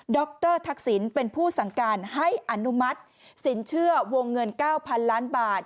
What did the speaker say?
รทักษิณเป็นผู้สั่งการให้อนุมัติสินเชื่อวงเงิน๙๐๐๐ล้านบาท